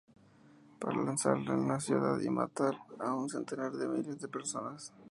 Para lanzarla en una ciudad, y matar un centenar de miles de personas.